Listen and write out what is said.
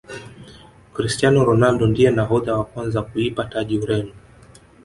cristiano ronaldo ndiye nahodha wa kwanza kuipa taji Ureno